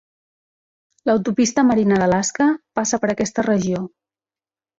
L'Autopista Marina d'Alaska passa per aquesta regió.